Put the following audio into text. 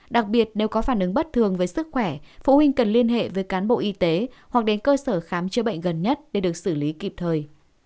đặc biệt nếu có phản ứng bất thường với sức khỏe phụ huynh cần liên hệ với cán bộ y tế hoặc đến cơ sở khám chữa bệnh gần nhất để được xử lý kịp thời